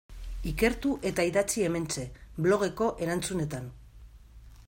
Ikertu eta idatzi hementxe, blogeko erantzunetan.